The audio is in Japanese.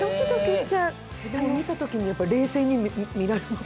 見たときに冷静に見られます？